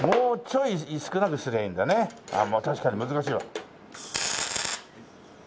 確かに難しいわ。